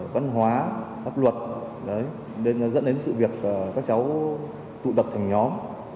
pháp luật dẫn đến sự việc các cháu tụ tập thành nhóm